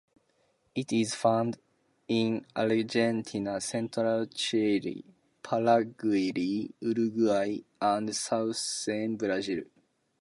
It is found in Argentina, central Chile, Paraguay, Uruguay and southern Brazil.